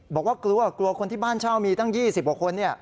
บอกว่ากลัวกลัวคนที่บ้านเช่ามีตั้ง๒๐กว่าคน